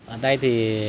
ở đây thì